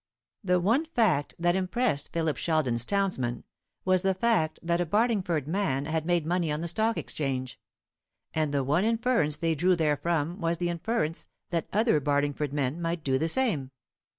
The one fact that impressed Philip Sheldon's townsmen was the fact that a Barlingford man had made money on the Stock Exchange; and the one inference they drew therefrom was the inference that other Barlingford men might do the same.